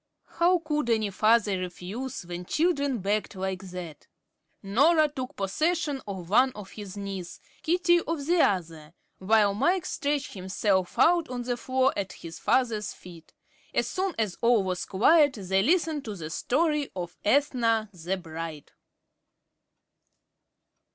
How could any father refuse when children begged like that? Norah took possession of one of his knees, Katie of the other, while Mike stretched himself out on the floor at his father's feet. As soon as all was quiet, they listened to the story of "Ethna, the Bride."